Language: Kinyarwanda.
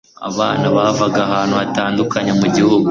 abana bavaga ahantu hatandukanye mu gihugu